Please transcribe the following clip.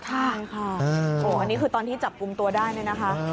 อันนี้คือตอนที่จับกุมตัวได้นี่นะคะ